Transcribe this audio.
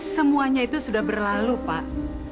semuanya itu sudah berlalu pak